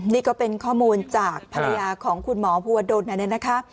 นี่ก็เป็นข้อมูลจากภรรยาของคุณหมอภูวดลเนี่ยนะคะ